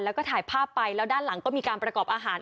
แล้วก็ถ่ายภาพไปแล้วด้านหลังก็มีการประกอบอาหาร